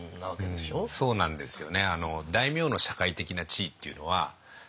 そうなんですよね。